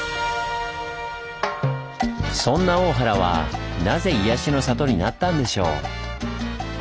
そんな大原はなぜ「癒やしの里」になったんでしょう？